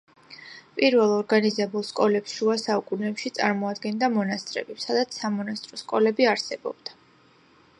პირველ ორგანიზებულ სკოლებს შუა საუკუნეებში წარმოადგენდა მონასტრები, სადაც სამონასტრო სკოლები არსებობდა.